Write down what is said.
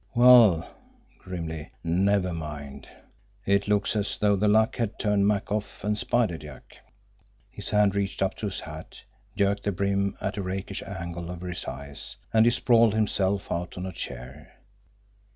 Well" grimly "never mind! It looks as though the luck had turned Makoff and Spider Jack!" His hand reached up to his hat, jerked the brim at a rakish angle over his eyes and he sprawled himself out on a chair.